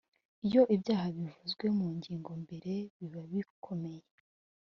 iyo ibyaha bivuzwe mu ngingo mbere bibabikomeye